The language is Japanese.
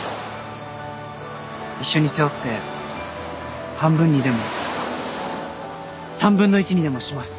一緒に背負って半分にでも三分の一にでもします。